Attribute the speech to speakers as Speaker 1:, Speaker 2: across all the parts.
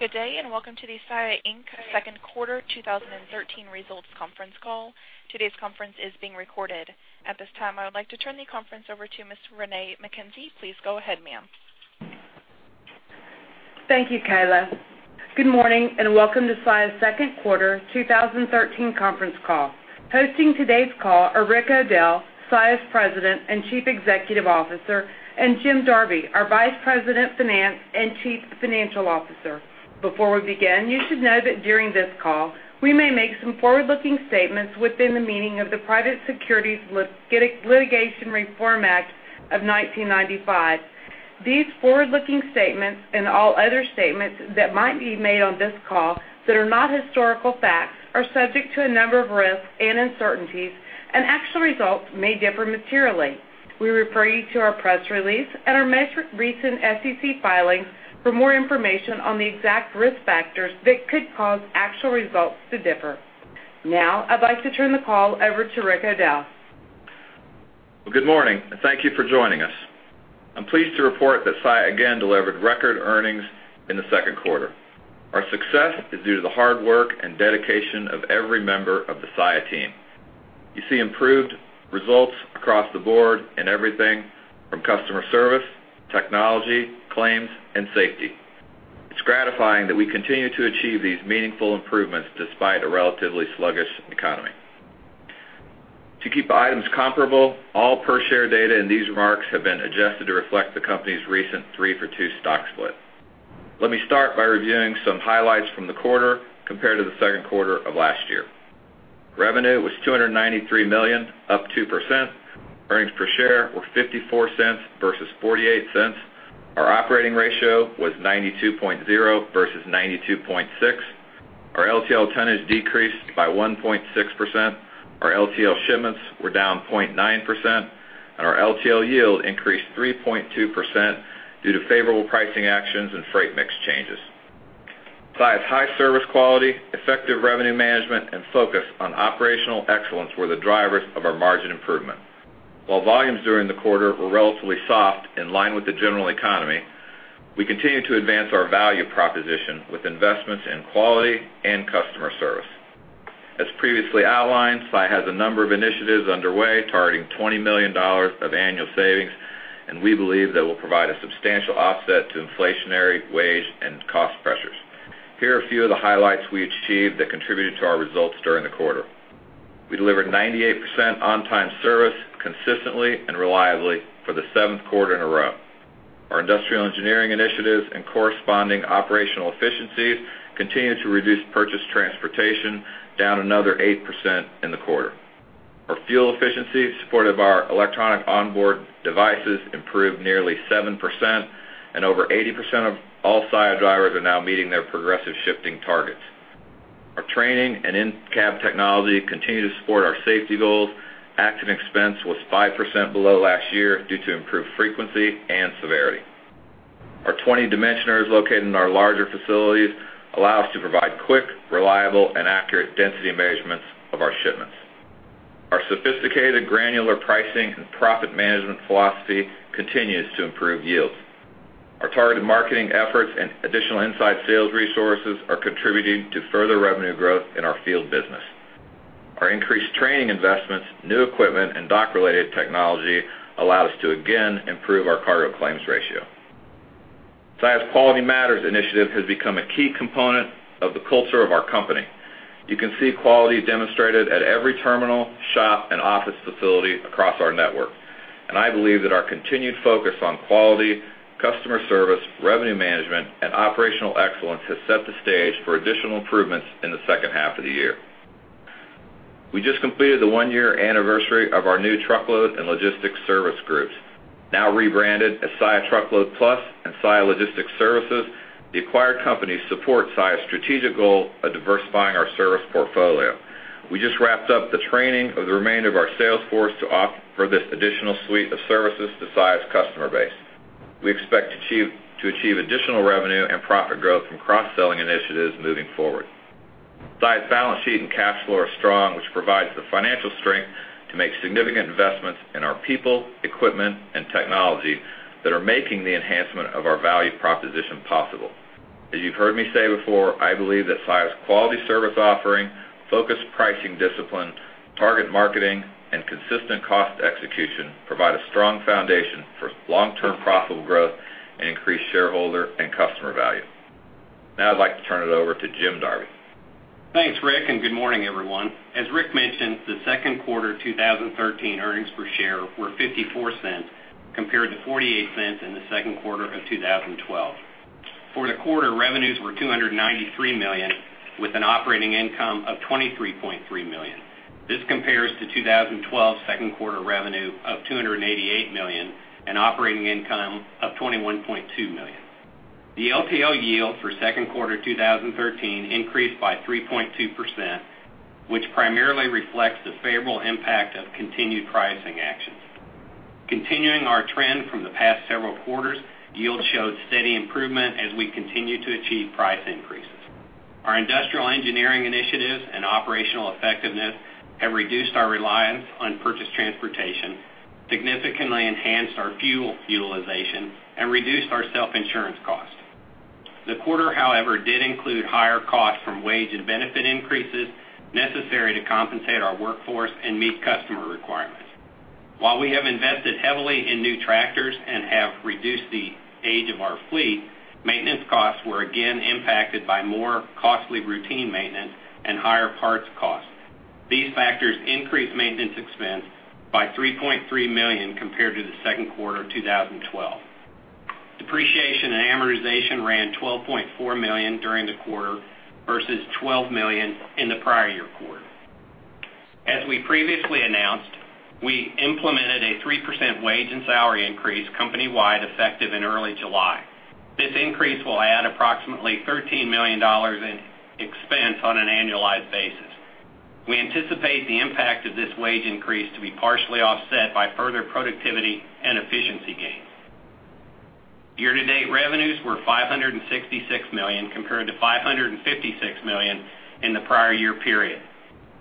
Speaker 1: Good day, and welcome to the Saia Inc. second quarter 2013 results conference call. Today's conference is being recorded. At this time, I would like to turn the conference over to Ms. Renee McKenzie. Please go ahead, ma'am.
Speaker 2: Thank you, Kayla. Good morning, and welcome to Saia's second quarter 2013 conference call. Hosting today's call are Rick O'Dell, Saia's President and Chief Executive Officer, and Jim Darby, our Vice President of Finance and Chief Financial Officer. Before we begin, you should know that during this call, we may make some forward-looking statements within the meaning of the Private Securities Litigation Reform Act of 1995. These forward-looking statements, and all other statements that might be made on this call that are not historical facts, are subject to a number of risks and uncertainties, and actual results may differ materially. We refer you to our press release and our most recent SEC filings for more information on the exact risk factors that could cause actual results to differ. Now, I'd like to turn the call over to Rick O'Dell.
Speaker 3: Well, good morning, and thank you for joining us. I'm pleased to report that Saia again delivered record earnings in the second quarter. Our success is due to the hard work and dedication of every member of the Saia team. You see improved results across the board in everything from customer service, technology, claims, and safety. It's gratifying that we continue to achieve these meaningful improvements despite a relatively sluggish economy. To keep items comparable, all per-share data in these remarks have been adjusted to reflect the company's recent 3-for-2 stock split. Let me start by reviewing some highlights from the quarter compared to the second quarter of last year. Revenue was $293 million, up 2%. Earnings per share were $0.54 versus $0.48. Our operating ratio was 92.0 versus 92.6. Our LTL tonnage decreased by 1.6%, our LTL shipments were down 0.9%, and our LTL yield increased 3.2% due to favorable pricing actions and freight mix changes. Saia's high service quality, effective revenue management, and focus on operational excellence were the drivers of our margin improvement. While volumes during the quarter were relatively soft, in line with the general economy, we continued to advance our value proposition with investments in quality and customer service. As previously outlined, Saia has a number of initiatives underway, targeting $20 million of annual savings, and we believe that will provide a substantial offset to inflationary wage and cost pressures. Here are a few of the highlights we achieved that contributed to our results during the quarter: We delivered 98% on-time service consistently and reliably for the seventh quarter in a row. Our industrial engineering initiatives and corresponding operational efficiencies continued to reduce purchased transportation, down another 8% in the quarter. Our fuel efficiency, supported by our electronic onboard devices, improved nearly 7%, and over 80% of all Saia drivers are now meeting their progressive shifting targets. Our training and in-cab technology continue to support our safety goals. Accident expense was 5% below last year due to improved frequency and severity. Our 20 dimensioners located in our larger facilities allow us to provide quick, reliable, and accurate density measurements of our shipments. Our sophisticated granular pricing and profit management philosophy continues to improve yields. Our targeted marketing efforts and additional inside sales resources are contributing to further revenue growth in our field business. Our increased training investments, new equipment, and dock-related technology allowed us to again improve our cargo claims ratio. Saia's Quality Matters initiative has become a key component of the culture of our company. You can see quality demonstrated at every terminal, shop, and office facility across our network, and I believe that our continued focus on quality, customer service, revenue management, and operational excellence has set the stage for additional improvements in the second half of the year. We just completed the one-year anniversary of our new truckload and logistics service groups, now rebranded as Saia Truckload Plus and Saia Logistics Services. The acquired companies support Saia's strategic goal of diversifying our service portfolio. We just wrapped up the training of the remainder of our sales force to offer this additional suite of services to Saia's customer base. We expect to achieve additional revenue and profit growth from cross-selling initiatives moving forward. Saia's balance sheet and cash flow are strong, which provides the financial strength to make significant investments in our people, equipment, and technology that are making the enhancement of our value proposition possible. As you've heard me say before, I believe that Saia's quality service offering, focused pricing discipline, target marketing, and consistent cost execution provide a strong foundation for long-term profitable growth and increased shareholder and customer value. Now I'd like to turn it over to Jim Darby.
Speaker 4: Thanks, Rick, and good morning, everyone. As Rick mentioned, the second quarter 2013 earnings per share were $0.54, compared to $0.48 in the second quarter of 2012. For the quarter, revenues were $293 million, with an operating income of $23.3 million. This compares to 2012 second quarter revenue of $288 million and operating income of $21.2 million. The LTL yield for second quarter 2013 increased by 3.2%, which primarily reflects the favorable impact of continued pricing actions. Continuing our trend from the past several quarters, yield showed steady improvement as we continued to achieve price increases.... Our industrial engineering initiatives and operational effectiveness have reduced our reliance on purchased transportation, significantly enhanced our fuel utilization, and reduced our self-insurance costs. The quarter, however, did include higher costs from wage and benefit increases necessary to compensate our workforce and meet customer requirements. While we have invested heavily in new tractors and have reduced the age of our fleet, maintenance costs were again impacted by more costly routine maintenance and higher parts costs. These factors increased maintenance expense by $3.3 million compared to the second quarter of 2012. Depreciation and amortization ran $12.4 million during the quarter, versus $12 million in the prior year quarter. As we previously announced, we implemented a 3% wage and salary increase company-wide, effective in early July. This increase will add approximately $13 million in expense on an annualized basis. We anticipate the impact of this wage increase to be partially offset by further productivity and efficiency gains. Year-to-date revenues were $566 million, compared to $556 million in the prior year period.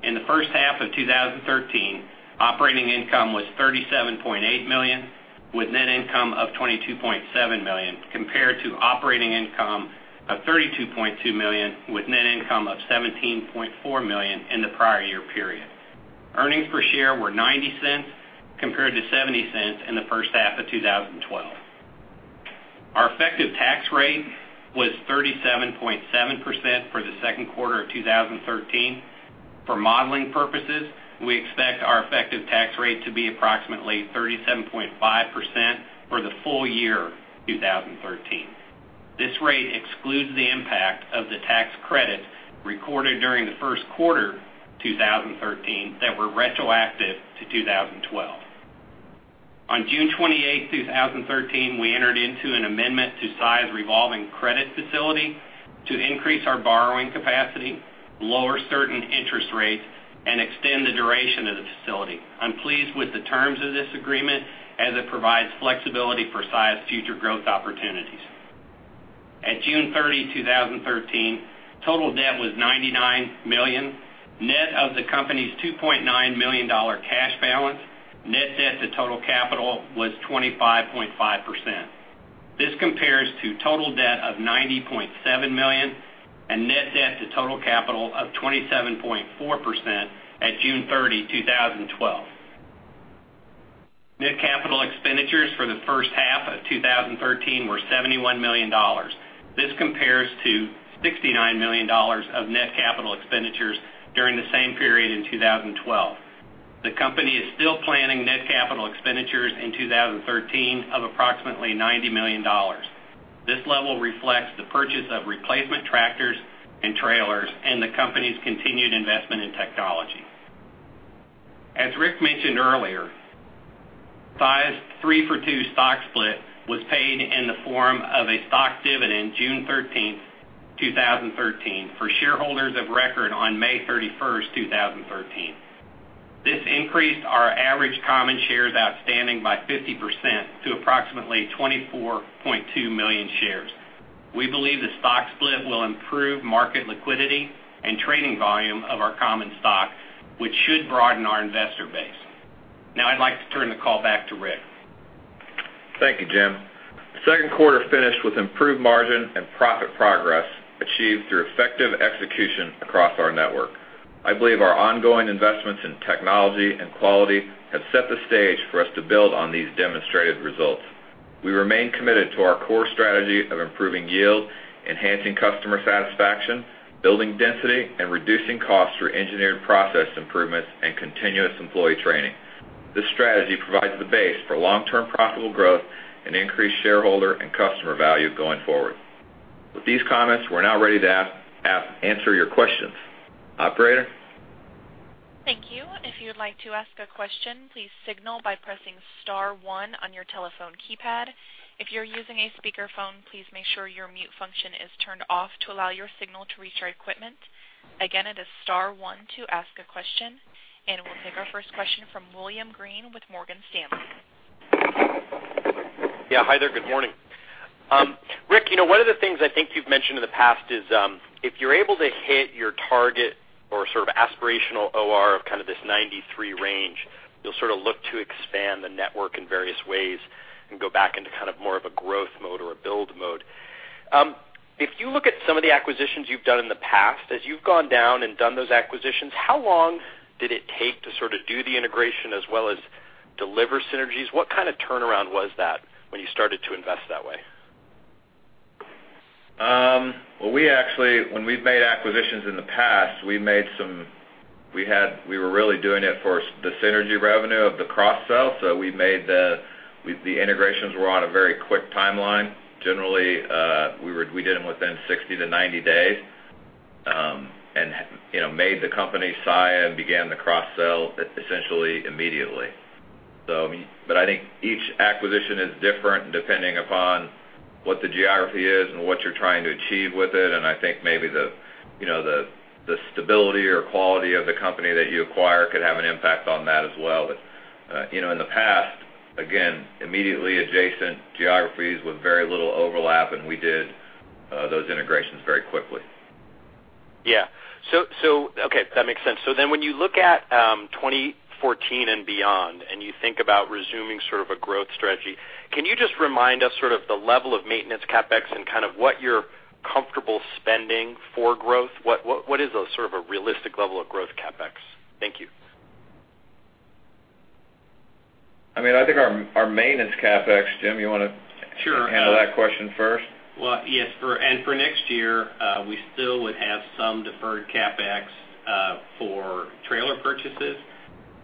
Speaker 4: In the first half of 2013, operating income was $37.8 million, with net income of $22.7 million, compared to operating income of $32.2 million, with net income of $17.4 million in the prior year period. Earnings per share were $0.90, compared to $0.70 in the first half of 2012. Our effective tax rate was 37.7% for the second quarter of 2013. For modeling purposes, we expect our effective tax rate to be approximately 37.5% for the full year, 2013. This rate excludes the impact of the tax credit recorded during the first quarter, 2013, that were retroactive to 2012. On June 28th, 2013, we entered into an amendment to Saia's revolving credit facility to increase our borrowing capacity, lower certain interest rates, and extend the duration of the facility. I'm pleased with the terms of this agreement, as it provides flexibility for Saia's future growth opportunities. At June 30, 2013, total debt was $99 million, net of the company's $2.9 million dollar cash balance. Net debt to total capital was 25.5%. This compares to total debt of $90.7 million, and net debt to total capital of 27.4% at June 30, 2012. Net capital expenditures for the first half of 2013 were $71 million. This compares to $69 million of net capital expenditures during the same period in 2012. The company is still planning net capital expenditures in 2013 of approximately $90 million. This level reflects the purchase of replacement tractors and trailers, and the company's continued investment in technology. As Rick mentioned earlier, Saia's 3-for-2 stock split was paid in the form of a stock dividend June 13, 2013, for shareholders of record on May 31, 2013. This increased our average common shares outstanding by 50% to approximately 24.2 million shares. We believe the stock split will improve market liquidity and trading volume of our common stock, which should broaden our investor base. Now, I'd like to turn the call back to Rick.
Speaker 3: Thank you, Jim. The second quarter finished with improved margin and profit progress achieved through effective execution across our network. I believe our ongoing investments in technology and quality have set the stage for us to build on these demonstrated results. We remain committed to our core strategy of improving yield, enhancing customer satisfaction, building density, and reducing costs through engineered process improvements and continuous employee training. This strategy provides the base for long-term profitable growth and increased shareholder and customer value going forward. With these comments, we're now ready to answer your questions. Operator?
Speaker 1: Thank you. If you'd like to ask a question, please signal by pressing star one on your telephone keypad. If you're using a speakerphone, please make sure your mute function is turned off to allow your signal to reach our equipment. Again, it is star one to ask a question, and we'll take our first question from William Greene with Morgan Stanley.
Speaker 5: Yeah, hi there. Good morning. Rick, you know, one of the things I think you've mentioned in the past is, if you're able to hit your target or sort of aspirational OR of kind of this 93 range, you'll sort of look to expand the network in various ways and go back into kind of more of a growth mode or a build mode. If you look at some of the acquisitions you've done in the past, as you've gone down and done those acquisitions, how long did it take to sort of do the integration as well as deliver synergies? What kind of turnaround was that when you started to invest that way?
Speaker 3: Well, we actually, when we've made acquisitions in the past, we were really doing it for the synergy revenue of the cross sell. So we made the integrations on a very quick timeline. Generally, we did them within 60-90 days, and, you know, made the company Saia and began the cross sell essentially, immediately. So, but I think each acquisition is different, depending upon what the geography is and what you're trying to achieve with it. And I think maybe the, you know, stability or quality of the company that you acquire could have an impact on that as well. But, you know, in the past, again, immediately adjacent geographies with very little overlap, and we did those integrations very quickly.
Speaker 5: Yeah. So, okay, that makes sense. So then when you look at 2014 and beyond, and you think about resuming sort of a growth strategy, can you just remind us sort of the level of maintenance CapEx and kind of what you're comfortable spending for growth? What is a sort of a realistic level of growth CapEx? Thank you.
Speaker 3: I mean, I think our maintenance CapEx, Jim, you want to-
Speaker 4: Sure.
Speaker 3: Handle that question first?
Speaker 4: Well, yes, and for next year, we still would have some deferred CapEx for trailer purchases.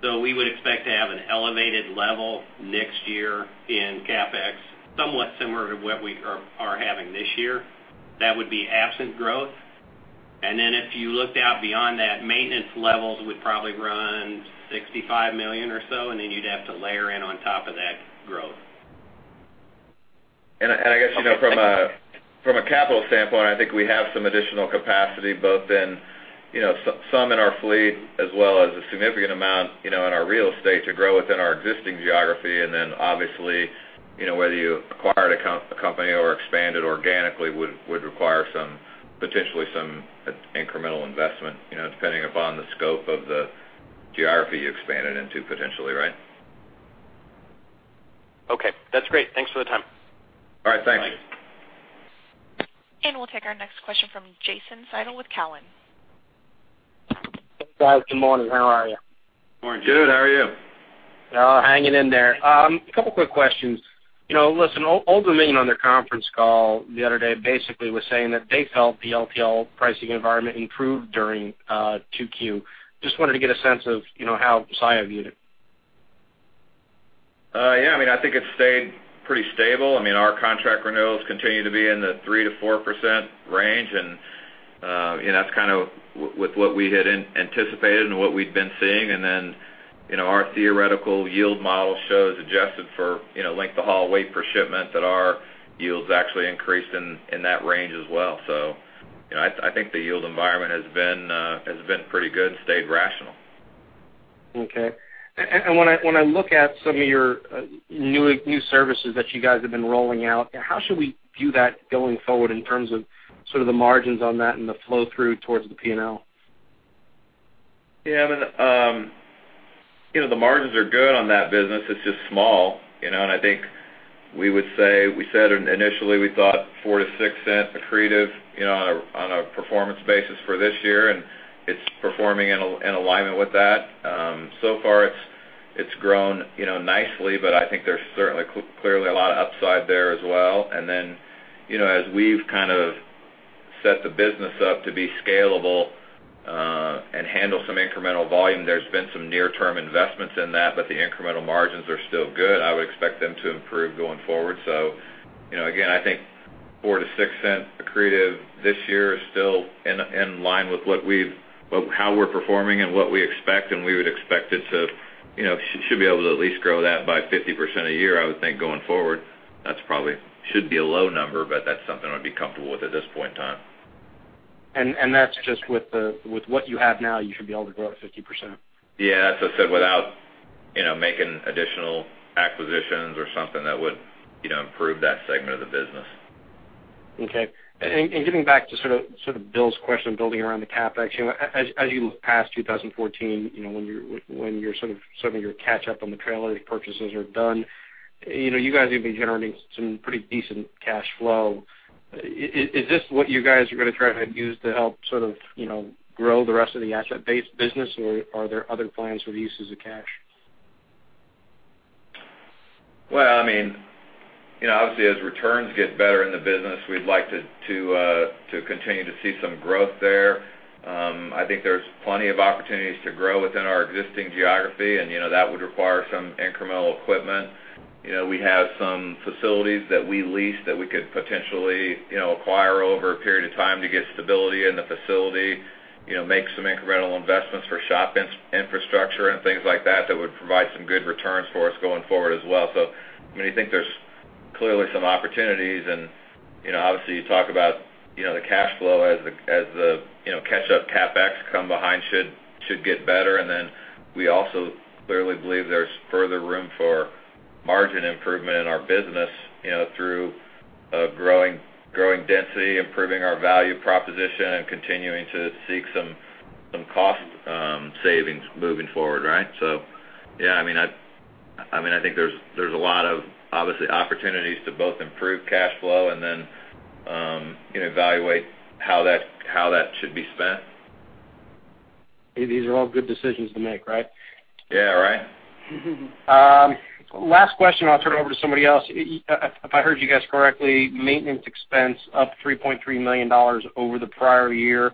Speaker 4: So we would expect to have an elevated level next year in CapEx, somewhat similar to what we are having this year. That would be absent growth. And then if you looked out beyond that, maintenance levels would probably run $65 million or so, and then you'd have to layer in on top of that growth.
Speaker 3: I guess, you know, from a capital standpoint, I think we have some additional capacity, both in, you know, some in our fleet, as well as a significant amount, you know, in our real estate to grow within our existing geography. And then obviously, you know, whether you acquired a company or expanded organically, would require some, potentially some incremental investment, you know, depending upon the scope of the geography you expanded into potentially, right?
Speaker 5: Okay, that's great. Thanks for the time.
Speaker 3: All right. Thanks.
Speaker 4: Thanks.
Speaker 1: We'll take our next question from Jason Seidl with Cowen.
Speaker 6: Hey, guys. Good morning. How are you?
Speaker 3: Good morning, Jason. How are you?
Speaker 6: Hanging in there. A couple quick questions. You know, listen, Old Dominion, on their conference call the other day, basically was saying that they felt the LTL pricing environment improved during 2Q. Just wanted to get a sense of, you know, how Saia viewed it.
Speaker 3: Yeah, I mean, I think it's stayed pretty stable. I mean, our contract renewals continue to be in the 3%-4% range, and that's kind of with what we had anticipated and what we've been seeing. And then, you know, our theoretical yield model shows adjusted for, you know, length of haul, weight per shipment, that our yields actually increased in that range as well. So, you know, I think the yield environment has been pretty good and stayed rational.
Speaker 6: Okay. And when I look at some of your new services that you guys have been rolling out, how should we view that going forward in terms of sort of the margins on that and the flow-through towards the P&L?
Speaker 3: Yeah, I mean, you know, the margins are good on that business. It's just small, you know, and I think we would say, we said initially, we thought $0.04-$0.06 accretive, you know, on a, on a performance basis for this year, and it's performing in in alignment with that. So far it's, it's grown, you know, nicely, but I think there's certainly, clearly a lot of upside there as well. And then, you know, as we've kind of set the business up to be scalable, and handle some incremental volume, there's been some near-term investments in that, but the incremental margins are still good. I would expect them to improve going forward. So, you know, again, I think $0.04-$0.06 accretive this year is still in, in line with what we've... How we're performing and what we expect, and we would expect it to, you know, should be able to at least grow that by 50% a year, I would think going forward. That's probably should be a low number, but that's something I'd be comfortable with at this point in time.
Speaker 6: That's just with what you have now, you should be able to grow at 50%?
Speaker 3: Yeah, as I said, without, you know, making additional acquisitions or something that would, you know, improve that segment of the business.
Speaker 6: Okay. Getting back to sort of Bill's question, building around the CapEx, you know, as you look past 2014, you know, when you're sort of starting your catch up on the trailer purchases are done, you know, you guys have been generating some pretty decent cash flow. Is this what you guys are going to try to use to help sort of, you know, grow the rest of the asset-based business, or are there other plans for the uses of cash?
Speaker 3: Well, I mean, you know, obviously, as returns get better in the business, we'd like to to continue to see some growth there. I think there's plenty of opportunities to grow within our existing geography, and, you know, that would require some incremental equipment. You know, we have some facilities that we lease that we could potentially, you know, acquire over a period of time to get stability in the facility. You know, make some incremental investments for infrastructure and things like that, that would provide some good returns for us going forward as well. So, I mean, I think there's clearly some opportunities. And, you know, obviously, you talk about, you know, the cash flow as the, as the, you know, catch up CapEx come behind, should get better. And then we also clearly believe there's further room for margin improvement in our business, you know, through growing density, improving our value proposition, and continuing to seek some cost savings moving forward, right? So, yeah, I mean, I think there's a lot of obviously opportunities to both improve cash flow and then, you know, evaluate how that should be spent.
Speaker 6: These are all good decisions to make, right?
Speaker 3: Yeah, right.
Speaker 6: Last question, and I'll turn it over to somebody else. If I heard you guys correctly, maintenance expense up $3.3 million over the prior year.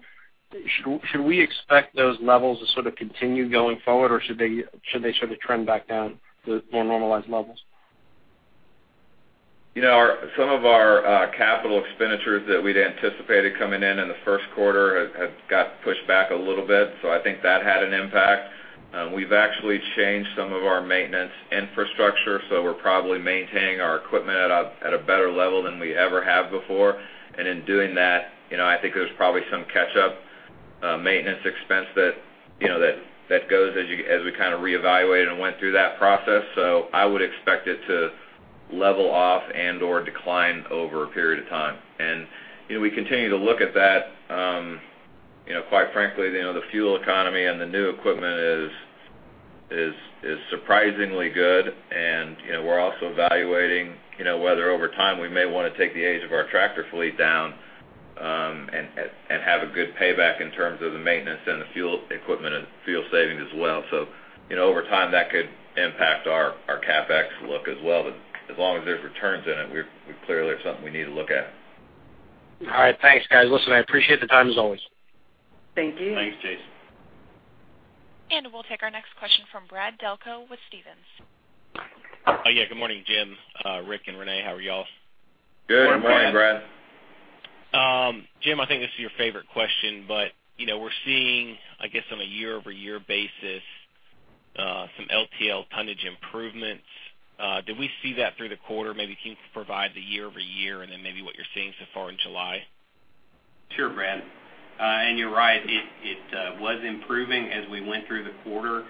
Speaker 6: Should we expect those levels to sort of continue going forward, or should they sort of trend back down to more normalized levels?
Speaker 3: You know, some of our capital expenditures that we'd anticipated coming in in the first quarter have got pushed back a little bit, so I think that had an impact. We've actually changed some of our maintenance infrastructure, so we're probably maintaining our equipment at a better level than we ever have before. And in doing that, you know, I think there's probably some catch-up maintenance expense that you know that goes as we kind of reevaluate and went through that process. So I would expect it to level off and or decline over a period of time. And you know, we continue to look at that. You know, quite frankly, you know, the fuel economy and the new equipment is surprisingly good. And, you know, we're also evaluating, you know, whether over time, we may want to take the age of our tractor fleet down, and have a good payback in terms of the maintenance and the fuel equipment and fuel savings as well. So, you know, over time, that could impact our CapEx look as well. But as long as there's returns in it, clearly, it's something we need to look at.
Speaker 7: All right. Thanks, guys. Listen, I appreciate the time, as always.
Speaker 8: Thank you.
Speaker 3: Thanks, Jason.
Speaker 1: We'll take our next question from Brad Delco with Stephens.
Speaker 9: Yeah, good morning, Jim, Rick, and Renee. How are you all?
Speaker 3: Good morning, Brad.
Speaker 9: Jim, I think this is your favorite question, but, you know, we're seeing, I guess, on a year-over-year basis, some LTL tonnage improvements. Did we see that through the quarter? Maybe can you provide the year-over-year, and then maybe what you're seeing so far in July?
Speaker 4: Sure, Brad. You're right, it was improving as we went through the quarter.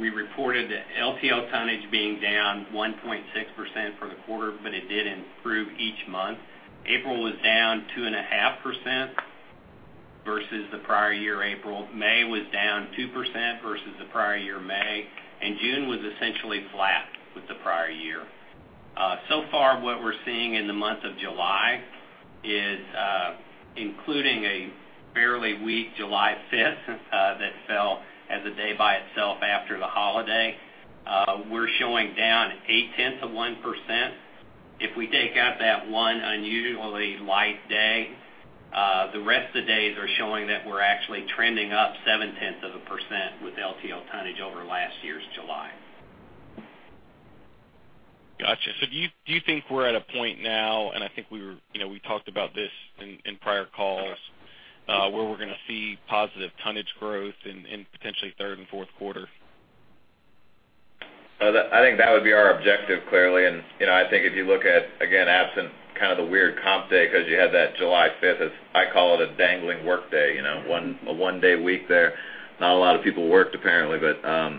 Speaker 4: We reported the LTL tonnage being down 1.6% for the quarter, but it did improve each month. April was down 2.5% versus the prior year, April. May was down 2% versus the prior year, May, and June was essentially flat with the prior year. So far, what we're seeing in the month of July is, including a fairly weak July fifth that fell as a day by itself after the holiday, we're showing down 0.8%. If we take out that one unusually light day, the rest of the days are showing that we're actually trending up 0.7% with LTL tonnage over last year's July.
Speaker 9: Got you. So do you think we're at a point now, and I think we were... You know, we talked about this in prior calls, where we're going to see positive tonnage growth in potentially third and fourth quarter?
Speaker 3: I think that would be our objective, clearly. And, you know, I think if you look at, again, absent kind of the weird comp day, because you had that July fifth, as I call it, a dangling work day, you know, a one day week there. Not a lot of people worked, apparently, but, so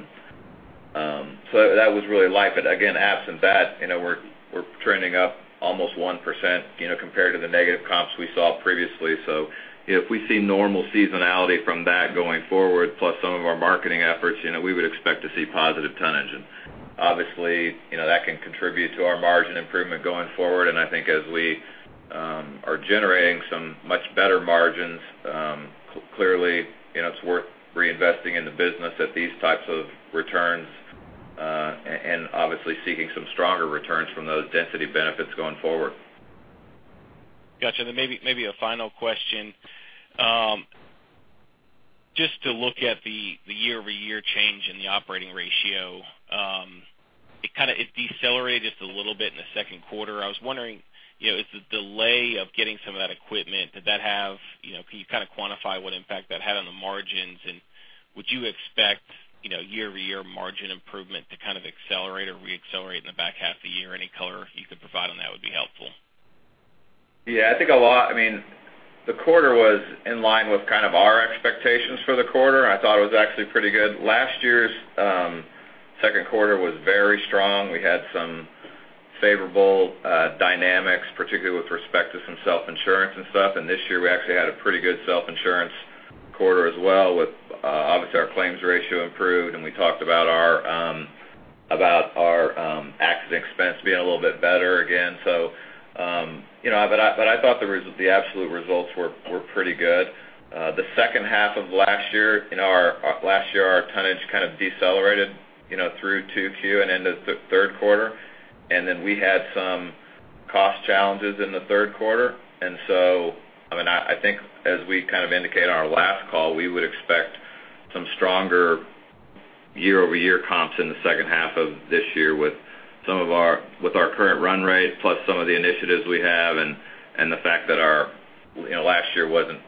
Speaker 3: that was really light. But again, absent that, you know, we're trending up almost 1%, you know, compared to the negative comps we saw previously. So if we see normal seasonality from that going forward, plus some of our marketing efforts, you know, we would expect to see positive tonnage. And obviously, you know, that can contribute to our margin improvement going forward. I think as we are generating some much better margins, clearly, you know, it's worth reinvesting in the business at these types of returns, and obviously, seeking some stronger returns from those density benefits going forward.
Speaker 9: Got you. And then maybe, maybe a final question. Just to look at the year-over-year change in the operating ratio, it decelerated just a little bit in the second quarter. I was wondering, you know, is the delay of getting some of that equipment, did that have, you know, can you kind of quantify what impact that had on the margins? And would you expect, you know, year-over-year margin improvement to kind of accelerate or re-accelerate in the back half of the year? Any color you could provide on that would be helpful.
Speaker 3: Yeah, I think a lot... I mean, the quarter was in line with kind of our expectations for the quarter. I thought it was actually pretty good. Last year's second quarter was very strong. We had some favorable dynamics, particularly with respect to some self-insurance and stuff. And this year, we actually had a pretty good self-insurance quarter as well, with obviously, our claims ratio improved, and we talked about our accident expense being a little bit better again. So, you know, but I thought the absolute results were pretty good. The second half of last year, you know, last year, our tonnage kind of decelerated, you know, through 2Q and into the third quarter, and then we had some cost challenges in the third quarter. And so, I mean, I think as we kind of indicated on our last call, we would expect some stronger year-over-year comps in the second half of this year with our current run rate, plus some of the initiatives we have and the fact that our, you know, last year wasn't.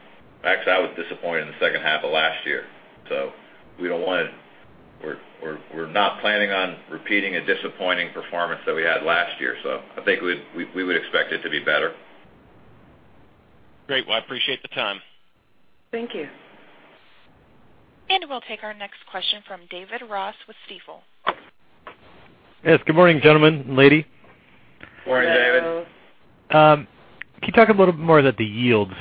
Speaker 3: Actually, I was disappointed in the second half of last year, so we don't want to. We're not planning on repeating a disappointing performance that we had last year. So I think we would expect it to be better.
Speaker 9: Great. Well, I appreciate the time.
Speaker 10: Thank you.
Speaker 1: We'll take our next question from David Ross with Stifel.
Speaker 11: Yes, good morning, gentlemen and lady.
Speaker 3: Morning, David.
Speaker 10: Hello.
Speaker 11: Can you talk a little bit more about the yields?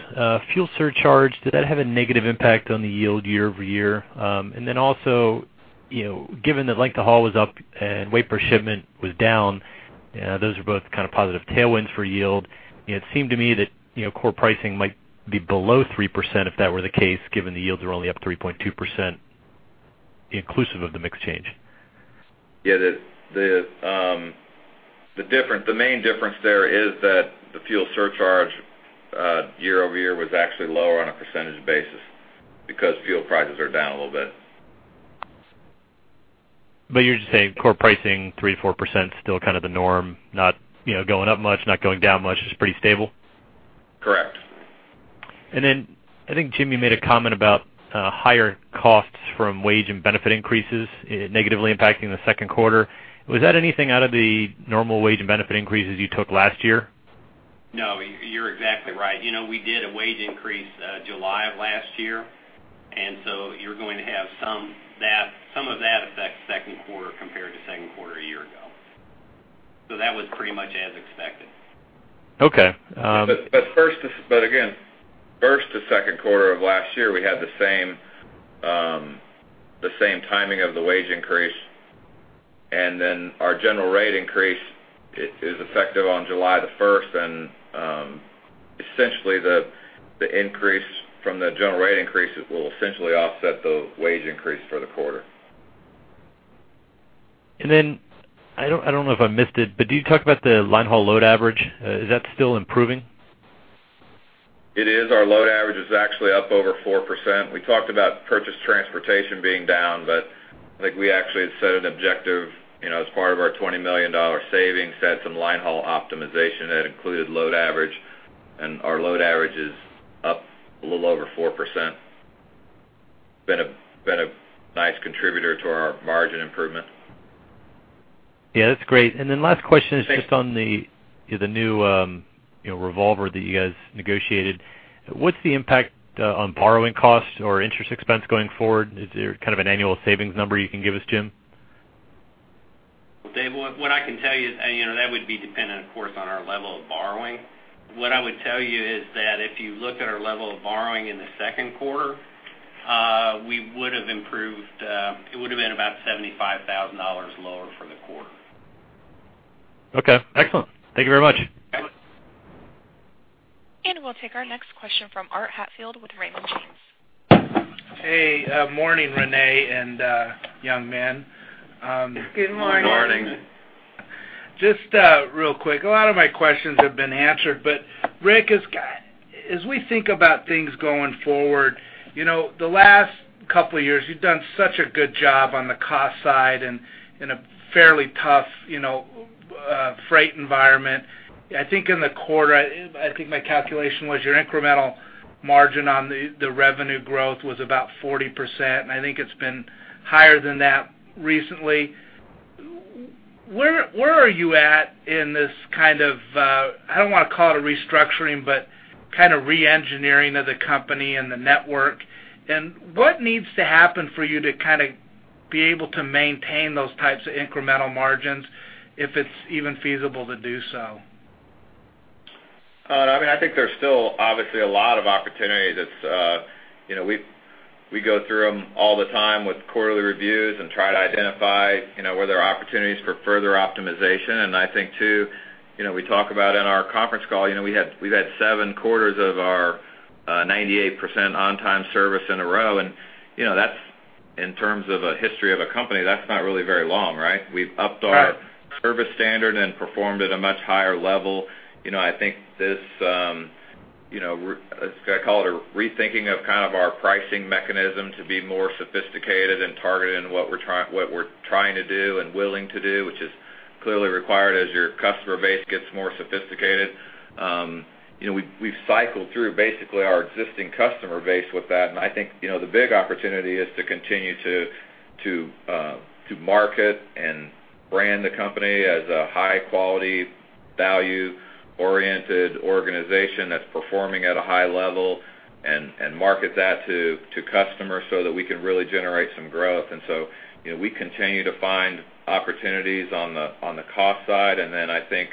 Speaker 11: Fuel surcharge, did that have a negative impact on the yield year-over-year? And then also, you know, given that length of haul was up and weight per shipment was down, those are both kind of positive tailwinds for yield. It seemed to me that, you know, core pricing might be below 3%, if that were the case, given the yields are only up 3.2%, inclusive of the mix change.
Speaker 3: Yeah, the difference—the main difference there is that the fuel surcharge year-over-year was actually lower on a percentage basis because fuel prices are down a little bit.
Speaker 11: But you're just saying core pricing, 3%-4%, still kind of the norm, not, you know, going up much, not going down much, it's pretty stable?
Speaker 3: Correct.
Speaker 11: And then I think, Jim, you made a comment about higher costs from wage and benefit increases negatively impacting the second quarter. Was that anything out of the normal wage and benefit increases you took last year?
Speaker 4: ...No, you're exactly right. You know, we did a wage increase, July of last year, and so you're going to have some of that affect second quarter compared to second quarter a year ago. So that was pretty much as expected.
Speaker 11: Okay,
Speaker 3: But again, first to second quarter of last year, we had the same timing of the wage increase, and then our general rate increase is effective on July the first. Essentially, the increase from the general rate increases will essentially offset the wage increase for the quarter.
Speaker 11: Then, I don't, I don't know if I missed it, but did you talk about the linehaul load average? Is that still improving?
Speaker 3: It is. Our load average is actually up over 4%. We talked about purchase transportation being down, but I think we actually set an objective, you know, as part of our $20 million savings, had some linehaul optimization that included load average, and our load average is up a little over 4%. It's been a nice contributor to our margin improvement.
Speaker 11: Yeah, that's great. Then last question is just on the new, you know, revolver that you guys negotiated. What's the impact on borrowing costs or interest expense going forward? Is there kind of an annual savings number you can give us, Jim?
Speaker 4: Well, Dave, what, what I can tell you is, you know, that would be dependent, of course, on our level of borrowing. What I would tell you is that if you looked at our level of borrowing in the second quarter, we would have improved. It would have been about $75,000 lower for the quarter.
Speaker 11: Okay, excellent. Thank you very much.
Speaker 1: We'll take our next question from Art Hatfield with Raymond James.
Speaker 12: Hey, morning, Renee, and young men.
Speaker 4: Good morning.
Speaker 3: Good morning.
Speaker 12: Just real quick, a lot of my questions have been answered, but Rick, as we think about things going forward, you know, the last couple of years, you've done such a good job on the cost side and in a fairly tough, you know, freight environment. I think in the quarter, I think my calculation was your incremental margin on the revenue growth was about 40%, and I think it's been higher than that recently. Where are you at in this kind of, I don't want to call it a restructuring, but kind of reengineering of the company and the network? And what needs to happen for you to kind of be able to maintain those types of incremental margins, if it's even feasible to do so?
Speaker 3: I mean, I think there's still, obviously, a lot of opportunity that's, you know, we, we go through them all the time with quarterly reviews and try to identify, you know, where there are opportunities for further optimization. And I think, too, you know, we talk about in our conference call, you know, we had, we've had seven quarters of our 98% on-time service in a row. And, you know, that's in terms of a history of a company, that's not really very long, right?
Speaker 12: Right.
Speaker 3: We've upped our service standard and performed at a much higher level. You know, I think this, you know, I call it a rethinking of kind of our pricing mechanism to be more sophisticated and targeted in what we're trying to do and willing to do, which is clearly required as your customer base gets more sophisticated. You know, we've cycled through basically our existing customer base with that. And I think, you know, the big opportunity is to continue to market and brand the company as a high-quality, value-oriented organization that's performing at a high level and market that to customers so that we can really generate some growth. And so, you know, we continue to find opportunities on the cost side. Then I think,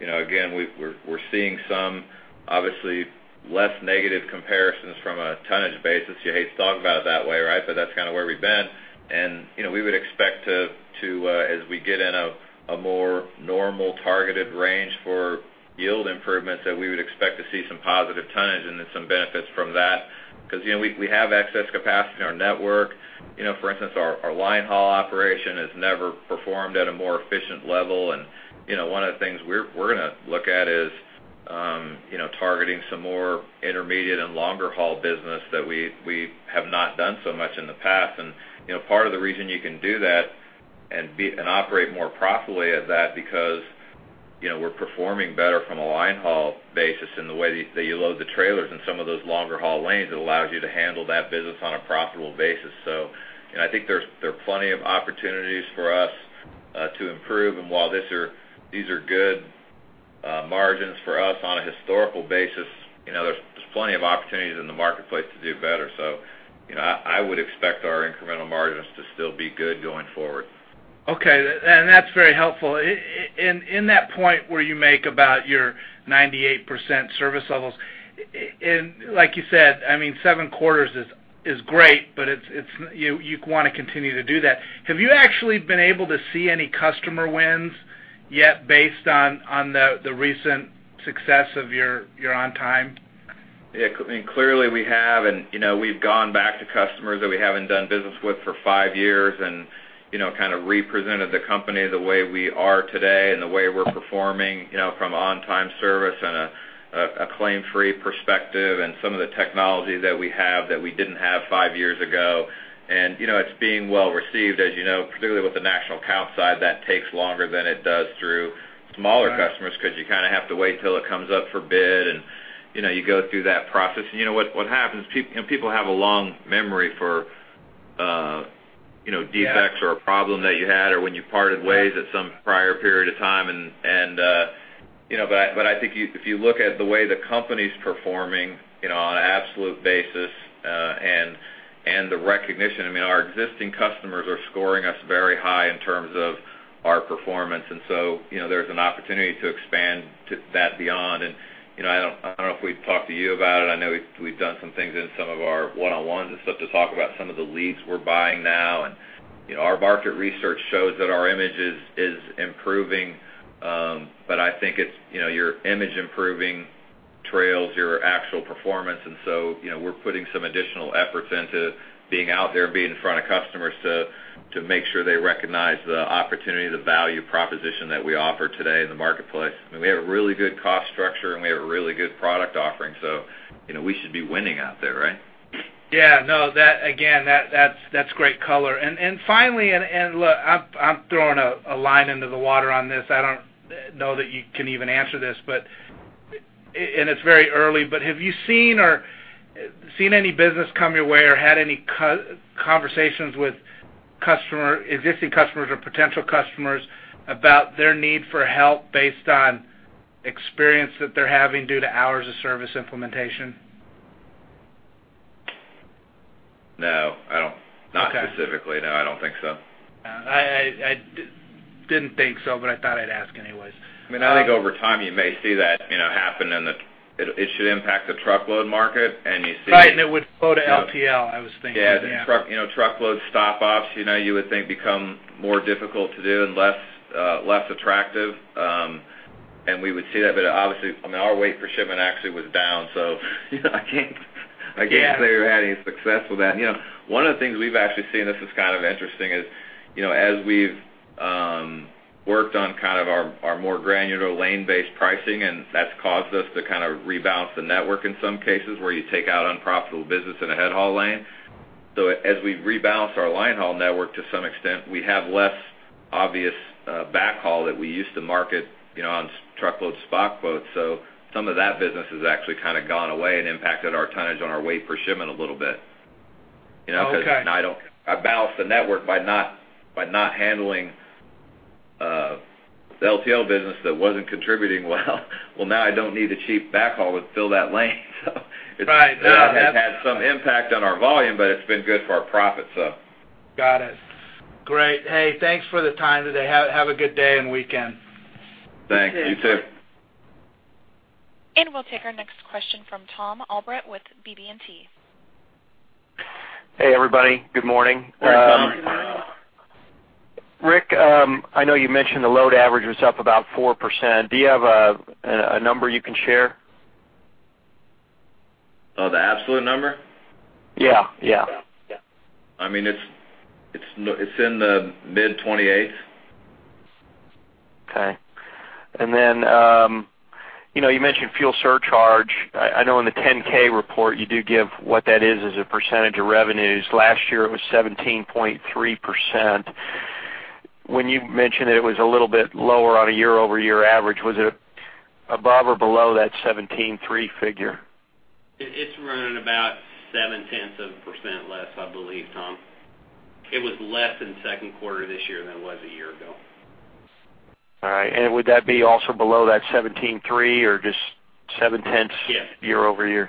Speaker 3: you know, again, we're seeing some obviously less negative comparisons from a tonnage basis. You hate to talk about it that way, right? But that's kind of where we've been. And, you know, we would expect to, as we get in a more normal targeted range for yield improvements, that we would expect to see some positive tonnage and then some benefits from that. Because, you know, we have excess capacity in our network. You know, for instance, our linehaul operation has never performed at a more efficient level. And, you know, one of the things we're gonna look at is, you know, targeting some more intermediate and longer haul business that we have not done so much in the past. You know, part of the reason you can do that and be and operate more profitably at that, because, you know, we're performing better from a linehaul basis in the way that you load the trailers in some of those longer haul lanes. It allows you to handle that business on a profitable basis. So, I think there are plenty of opportunities for us to improve. And while these are good margins for us on a historical basis, you know, there's plenty of opportunities in the marketplace to do better. So, you know, I would expect our incremental margins to still be good going forward.
Speaker 12: Okay, and that's very helpful. In that point where you make about your 98% service levels, and like you said, I mean, 7 quarters is great, but it's you want to continue to do that. Have you actually been able to see any customer wins yet, based on the recent success of your on time?
Speaker 3: Yeah, clearly, we have, and, you know, we've gone back to customers that we haven't done business with for five years and, you know, kind of represented the company the way we are today and the way we're performing, you know, from on-time service and a claim-free perspective and some of the technology that we have that we didn't have five years ago. You know, it's being well received, as you know, particularly with the national account side, that takes longer than it does through smaller customers-
Speaker 12: Right...
Speaker 3: because you kind of have to wait till it comes up for bid. You know, you go through that process, and you know what, what happens? You know, people have a long memory for, you know-
Speaker 12: Yeah
Speaker 3: -defects or a problem that you had or when you parted ways at some prior period of time. And, you know, but I think you, if you look at the way the company's performing, you know, on an absolute basis, and the recognition, I mean, our existing customers are scoring us very high in terms of our performance. And so, you know, there's an opportunity to expand to that beyond. And, you know, I don't, I don't know if we've talked to you about it. I know we've done some things in some of our one-on-ones and stuff to talk about some of the leads we're buying now. And, you know, our market research shows that our image is improving. But I think it's, you know, your image improving trails your actual performance. And so, you know, we're putting some additional efforts into being out there and being in front of customers to, to make sure they recognize the opportunity, the value proposition that we offer today in the marketplace. I mean, we have a really good cost structure, and we have a really good product offering, so, you know, we should be winning out there, right?
Speaker 12: Yeah. No, that's great color. And finally, look, I'm throwing a line into the water on this. I don't know that you can even answer this, but it's very early, but have you seen any business come your way or had any conversations with customers, existing customers or potential customers about their need for help based on experience that they're having due to hours of service implementation?
Speaker 3: No, I don't.
Speaker 12: Okay.
Speaker 3: Not specifically, no, I don't think so.
Speaker 12: I didn't think so, but I thought I'd ask anyways.
Speaker 3: I mean, I think over time, you may see that, you know, happen, and it should impact the truckload market, and you see-
Speaker 12: Right, and it would go to LTL, I was thinking.
Speaker 3: Yeah, the truck, you know, truckload stop-offs, you know, you would think become more difficult to do and less, less attractive. And we would see that. But obviously, I mean, our weight per shipment actually was down, so you know, I can't, I can't say we've had any success with that. You know, one of the things we've actually seen, this is kind of interesting, is, you know, as we've worked on kind of our, our more granular lane-based pricing, and that's caused us to kind of rebalance the network in some cases, where you take out unprofitable business in a headhaul lane. So as we rebalance our linehaul network to some extent, we have less obvious backhaul that we used to market, you know, on truckload spot quotes. So some of that business has actually kind of gone away and impacted our tonnage on our weight per shipment a little bit.
Speaker 12: Okay.
Speaker 3: You know, 'cause I don't... I balance the network by not, by not handling, the LTL business that wasn't contributing well. Well, now I don't need the cheap backhaul to fill that lane, so
Speaker 12: Right.
Speaker 3: It's had some impact on our volume, but it's been good for our profit, so.
Speaker 12: Got it. Great. Hey, thanks for the time today. Have a good day and weekend.
Speaker 3: Thanks. You, too.
Speaker 1: We'll take our next question from Tom Albrecht with BB&T.
Speaker 13: Hey, everybody. Good morning.
Speaker 3: Hi, Tom.
Speaker 13: Rick, I know you mentioned the load average was up about 4%. Do you have a number you can share?
Speaker 3: Oh, the absolute number?
Speaker 13: Yeah, yeah.
Speaker 3: I mean, it's in the mid-28s.
Speaker 13: Okay. And then, you know, you mentioned fuel surcharge. I, I know in the 10-K report, you do give what that is as a percentage of revenues. Last year, it was 17.3%. When you mentioned that it was a little bit lower on a year-over-year average, was it above or below that 17.3 figure?
Speaker 12: It's running about 0.7% less, I believe, Tom. It was less in the second quarter this year than it was a year ago.
Speaker 13: All right. Would that be also below that 17.3 or just 0.7?
Speaker 12: Yeah...
Speaker 13: year-over-year?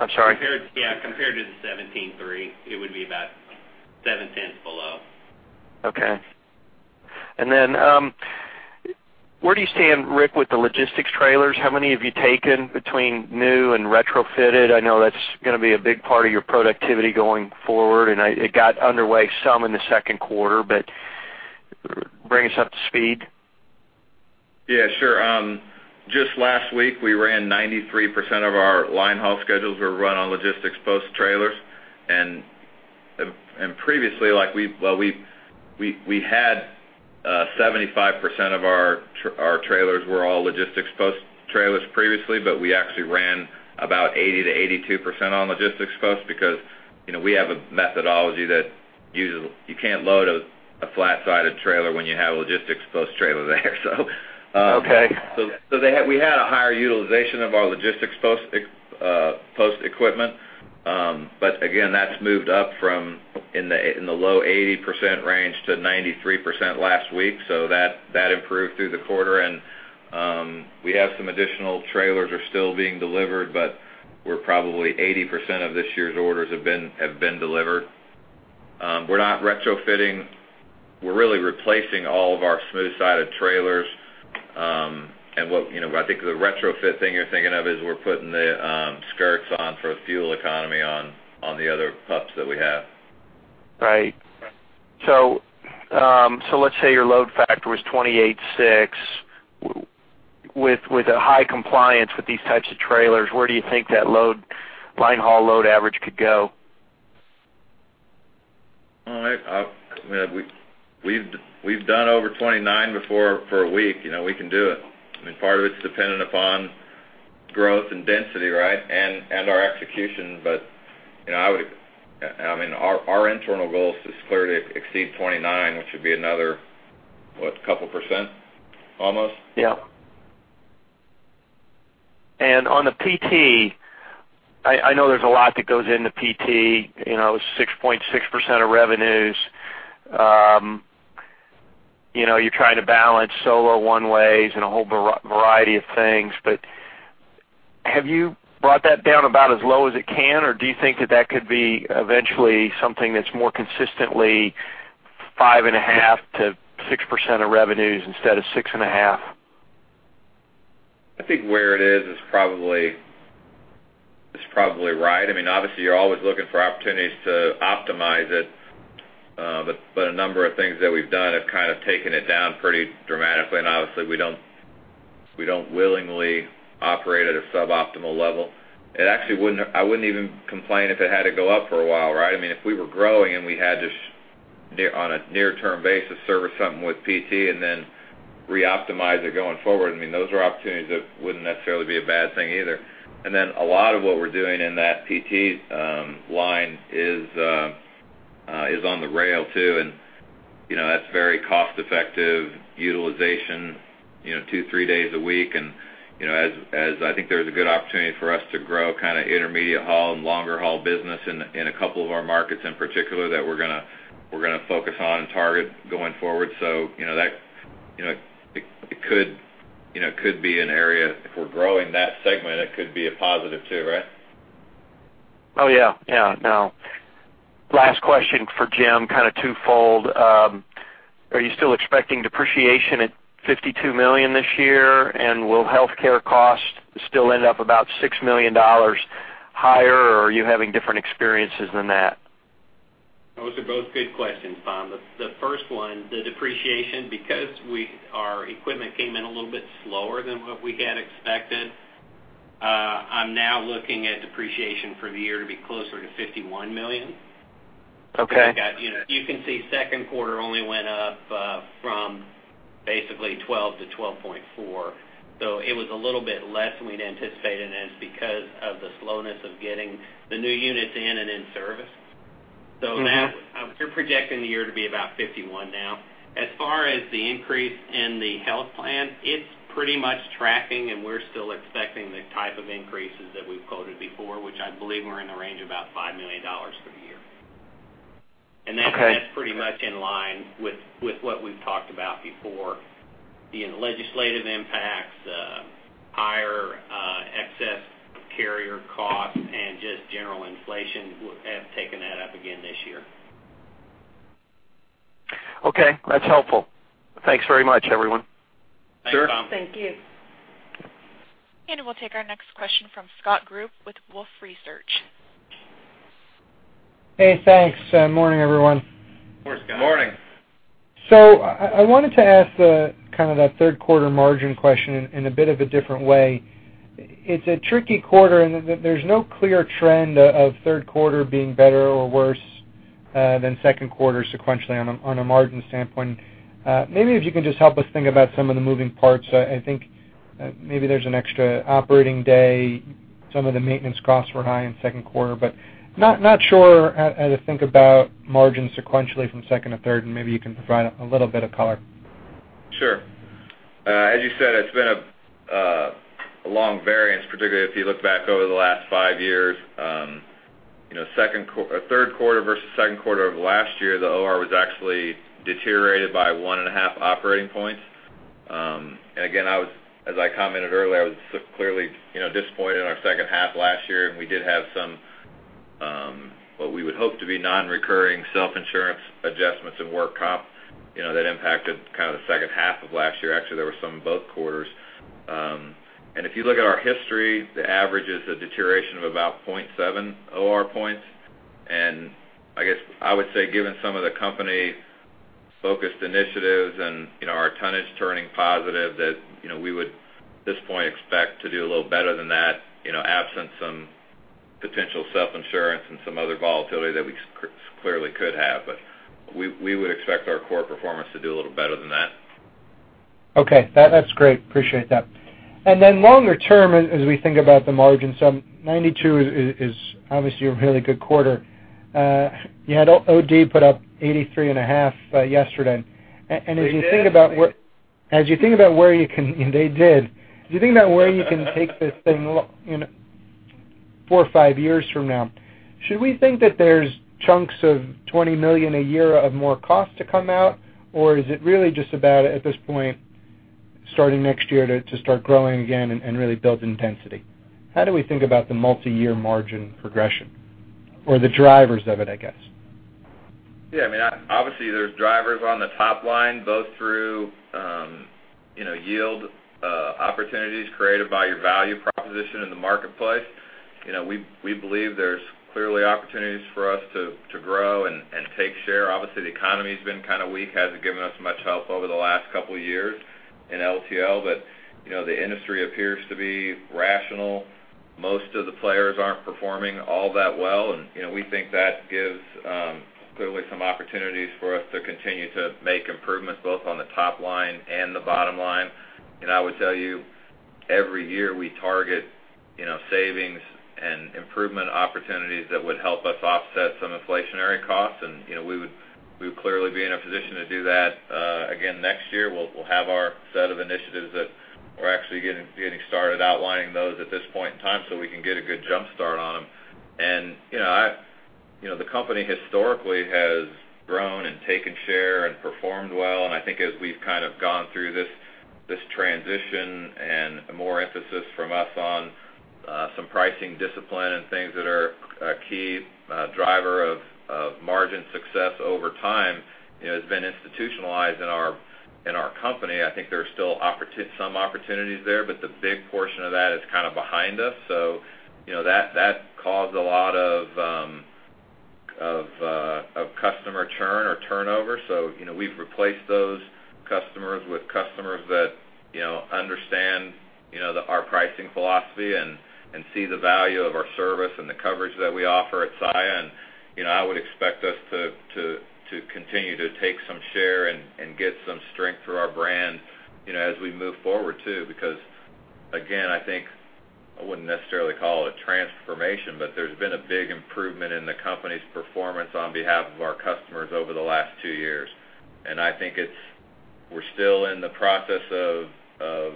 Speaker 13: I'm sorry.
Speaker 12: Compared... Yeah, compared to the 17.3, it would be about 0.7 below.
Speaker 13: Okay. And then, where do you stand, Rick, with the logistics trailers? How many have you taken between new and retrofitted? I know that's gonna be a big part of your productivity going forward, and it got underway some in the second quarter, but bring us up to speed.
Speaker 3: Yeah, sure. Just last week, we ran 93% of our linehaul schedules were run on logistics post trailers. And previously, like, we had 75% of our trailers were all logistics post trailers previously, but we actually ran about 80%-82% on logistics post because, you know, we have a methodology that usually you can't load a flat-sided trailer when you have a logistics post trailer there, so.
Speaker 13: Okay.
Speaker 3: So they had—we had a higher utilization of our logistics post equipment. But again, that's moved up from in the low 80% range to 93% last week. So that improved through the quarter. And we have some additional trailers are still being delivered, but we're probably 80% of this year's orders have been delivered. We're not retrofitting. We're really replacing all of our smooth-sided trailers. And what, you know, I think the retrofit thing you're thinking of is, we're putting the skirts on for a fuel economy on the other pups that we have.
Speaker 13: Right. So, let's say your load factor was 28.6, with a high compliance with these types of trailers, where do you think that load, linehaul load average could go?
Speaker 3: All right. We've done over 29 before for a week, you know, we can do it. I mean, part of it's dependent upon growth and density, right? And our execution. But, you know, I would... I mean, our internal goal is clearly to exceed 29, which would be another-... What, a couple percent almost?
Speaker 13: Yeah. And on the PT, I know there's a lot that goes into PT, you know, 6.6% of revenues. You know, you're trying to balance solo one-ways and a whole variety of things. But have you brought that down about as low as it can? Or do you think that that could be eventually something that's more consistently 5.5%-6% of revenues instead of 6.5%?
Speaker 3: I think where it is, is probably, it's probably right. I mean, obviously, you're always looking for opportunities to optimize it. But a number of things that we've done have kind of taken it down pretty dramatically, and obviously, we don't willingly operate at a suboptimal level. It actually wouldn't. I wouldn't even complain if it had to go up for a while, right? I mean, if we were growing and we had to, on a near-term basis, service something with PT and then reoptimize it going forward, I mean, those are opportunities that wouldn't necessarily be a bad thing either. And then a lot of what we're doing in that PT line is on the rail, too, and, you know, that's very cost-effective utilization, you know, two, three days a week. You know, as I think there's a good opportunity for us to grow kind of intermediate haul and longer haul business in a couple of our markets, in particular, that we're gonna focus on and target going forward. So, you know, that, you know, it could be an area. If we're growing that segment, it could be a positive, too, right?
Speaker 13: Oh, yeah. Yeah, no. Last question for Jim, kind of twofold. Are you still expecting depreciation at $52 million this year? And will healthcare costs still end up about $6 million higher, or are you having different experiences than that?
Speaker 4: Those are both good questions, Tom. The first one, the depreciation, because our equipment came in a little bit slower than what we had expected, I'm now looking at depreciation for the year to be closer to $51 million.
Speaker 13: Okay.
Speaker 4: You got, you know, you can see second quarter only went up from basically 12 to 12.4. So it was a little bit less than we'd anticipated, and it's because of the slowness of getting the new units in and in service. We're projecting the year to be about 51 now. As far as the increase in the health plan, it's pretty much tracking, and we're still expecting the type of increases that we've quoted before, which I believe are in the range of about $5 million for the year.
Speaker 13: Okay.
Speaker 4: That's pretty much in line with what we've talked about before, being the legislative impacts, higher excess carrier costs, and just general inflation have taken that up again this year.
Speaker 13: Okay, that's helpful. Thanks very much, everyone.
Speaker 4: Thanks, Tom.
Speaker 3: Sure.
Speaker 10: Thank you.
Speaker 1: We'll take our next question from Scott Group with Wolfe Research.
Speaker 14: Hey, thanks. Morning, everyone.
Speaker 3: Morning, Scott.
Speaker 4: Morning.
Speaker 14: So I wanted to ask the kind of that third quarter margin question in a bit of a different way. It's a tricky quarter, and there's no clear trend of third quarter being better or worse than second quarter sequentially on a margin standpoint. Maybe if you can just help us think about some of the moving parts. I think maybe there's an extra operating day. Some of the maintenance costs were high in second quarter, but not sure how to think about margins sequentially from second to third, and maybe you can provide a little bit of color.
Speaker 3: Sure. As you said, it's been a long variance, particularly if you look back over the last five years. You know, third quarter versus second quarter of last year, the OR was actually deteriorated by 1.5 operating points. And again, I was, as I commented earlier, I was clearly, you know, disappointed in our second half last year, and we did have some what we would hope to be non-recurring self-insurance adjustments and work comp, you know, that impacted kind of the second half of last year. Actually, there were some in both quarters. And if you look at our history, the average is a deterioration of about 0.7 OR points. And I guess I would say, given some of the company-focused initiatives and, you know, our tonnage turning positive, that, you know, we would, at this point, expect to do a little better than that, you know, absent some potential self-insurance and some other volatility that we clearly could have. But we would expect our core performance to do a little better than that.
Speaker 14: Okay, that's great. Appreciate that. And then longer term, as we think about the margins, so 92% is obviously a really good quarter. You had OD put up 83.5%, yesterday.
Speaker 3: They did.
Speaker 14: As you think about where you can take this thing in four or five years from now, should we think that there's chunks of $20 million a year of more cost to come out? Or is it really just about, at this point, starting next year, to start growing again and really build intensity? How do we think about the multiyear margin progression or the drivers of it, I guess?
Speaker 3: Yeah, I mean, obviously, there's drivers on the top line, both through, you know, yield, opportunities created by your value proposition in the marketplace. You know, we believe there's clearly opportunities for us to grow and take share. Obviously, the economy has been kind of weak, hasn't given us much help over the last couple of years in LTL, but, you know, the industry appears to be rational. Most of the players aren't performing all that well, and, you know, we think that gives clearly some opportunities for us to continue to make improvements both on the top line and the bottom line. And I would tell you, Every year, we target, you know, savings and improvement opportunities that would help us offset some inflationary costs, and, you know, we would, we would clearly be in a position to do that, again, next year. We'll, we'll have our set of initiatives that we're actually getting, getting started outlining those at this point in time, so we can get a good jump start on them. And, you know, I, you know, the company historically has grown and taken share and performed well, and I think as we've kind of gone through this, this transition and more emphasis from us on, some pricing discipline and things that are a key, driver of, of margin success over time, you know, has been institutionalized in our, in our company. I think there are still some opportunities there, but the big portion of that is kind of behind us. So, you know, that caused a lot of customer churn or turnover. So, you know, we've replaced those customers with customers that, you know, understand, you know, the, our pricing philosophy and see the value of our service and the coverage that we offer at Saia. And, you know, I would expect us to continue to take some share and get some strength through our brand, you know, as we move forward, too. Because, again, I think I wouldn't necessarily call it a transformation, but there's been a big improvement in the company's performance on behalf of our customers over the last two years. And I think it's. We're still in the process of,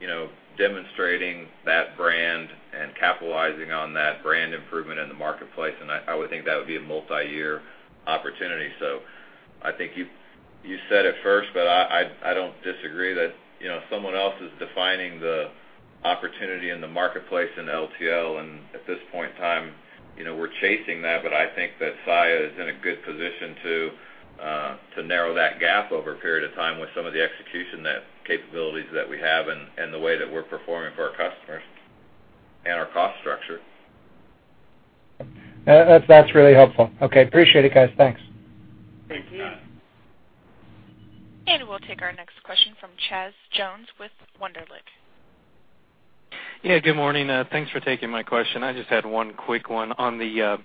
Speaker 3: you know, demonstrating that brand and capitalizing on that brand improvement in the marketplace, and I would think that would be a multiyear opportunity. So I think you said it first, but I don't disagree that, you know, someone else is defining the opportunity in the marketplace in LTL, and at this point in time, you know, we're chasing that. But I think that Saia is in a good position to narrow that gap over a period of time with some of the execution capabilities that we have and the way that we're performing for our customers and our cost structure.
Speaker 14: Yeah, that's, that's really helpful. Okay, appreciate it, guys. Thanks.
Speaker 3: Thank you.
Speaker 1: We'll take our next question from Chaz Jones with Wunderlich.
Speaker 10: Yeah, good morning. Thanks for taking my question. I just had one quick one on the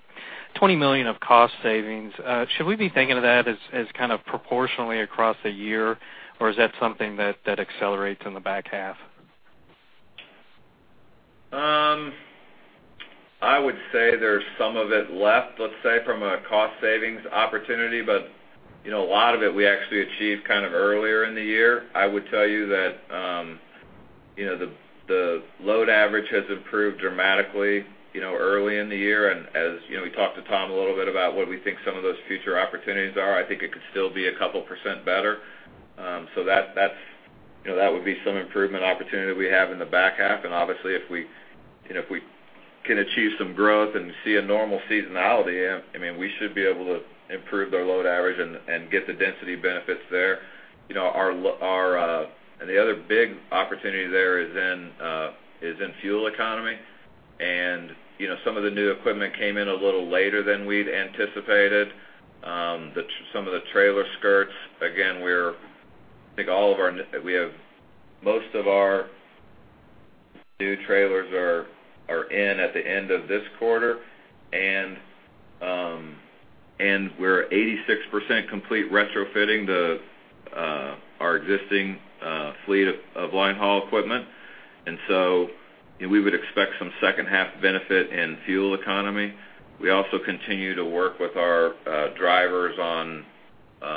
Speaker 10: $20 million of cost savings. Should we be thinking of that as kind of proportionally across the year, or is that something that accelerates in the back half?
Speaker 3: I would say there's some of it left, let's say, from a cost savings opportunity, but, you know, a lot of it we actually achieved kind of earlier in the year. I would tell you that, you know, the load average has improved dramatically, you know, early in the year. As you know, we talked to Tom a little bit about what we think some of those future opportunities are. I think it could still be a couple % better. So that, that's, you know, that would be some improvement opportunity we have in the back half. Obviously, if we, you know, if we can achieve some growth and see a normal seasonality, I mean, we should be able to improve their load average and get the density benefits there. You know, our The other big opportunity there is in fuel economy. You know, some of the new equipment came in a little later than we'd anticipated. Some of the trailer skirts, again, we're—I think all of our—we have most of our new trailers are in at the end of this quarter, and we're 86% complete retrofitting our existing fleet of linehaul equipment. So we would expect some second half benefit in fuel economy. We also continue to work with our drivers on, you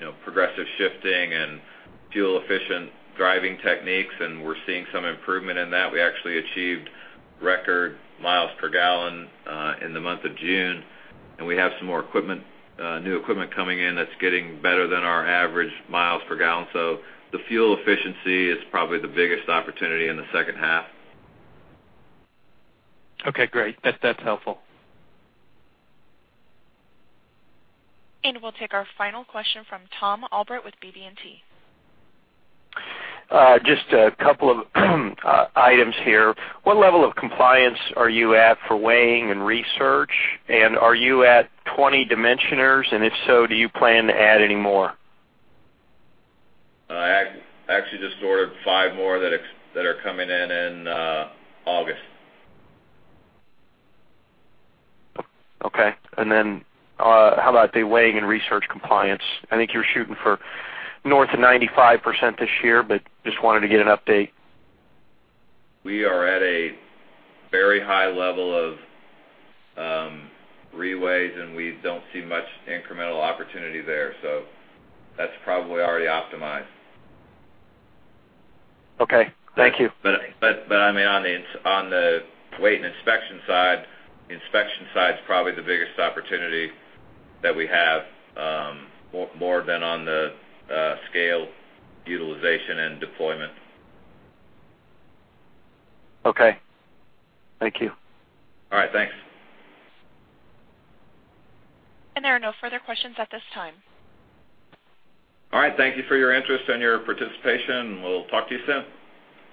Speaker 3: know, progressive shifting and fuel-efficient driving techniques, and we're seeing some improvement in that. We actually achieved record miles per gallon in the month of June, and we have some more equipment, new equipment coming in that's getting better than our average miles per gallon. The fuel efficiency is probably the biggest opportunity in the second half.
Speaker 10: Okay, great. That's, that's helpful.
Speaker 1: We'll take our final question from Tom Albrecht with BB&T.
Speaker 13: Just a couple of items here. What level of compliance are you at for weighing and dimensioning? And are you at 20 dimensioners, and if so, do you plan to add any more?
Speaker 3: I actually just ordered five more that are coming in in August.
Speaker 13: Okay. And then, how about the weighing and research compliance? I think you're shooting for north of 95% this year, but just wanted to get an update.
Speaker 3: We are at a very high level of reweighs, and we don't see much incremental opportunity there, so that's probably already optimized.
Speaker 13: Okay, thank you.
Speaker 3: But I mean, on the weight and inspection side, inspection side is probably the biggest opportunity that we have, more than on the scale utilization and deployment.
Speaker 13: Okay, thank you.
Speaker 3: All right. Thanks.
Speaker 1: There are no further questions at this time.
Speaker 3: All right. Thank you for your interest and your participation, and we'll talk to you soon.